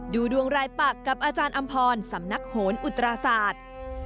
ดูดวงรายปักกับอาจารย์อำพรสำนักโหนอุตราศาสตร์